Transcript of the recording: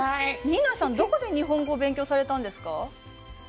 ニーナさん、どこで日本語を勉強されたんですか。